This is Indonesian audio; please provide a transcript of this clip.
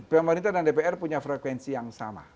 pemerintah dan dpr punya frekuensi yang sama